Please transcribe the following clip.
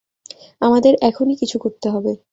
আমাদের এখনই কিছু করতে হবে।